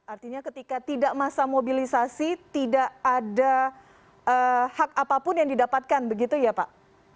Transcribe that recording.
artinya ketika tidak masa mobilisasi tidak ada hak apapun yang didapatkan begitu ya pak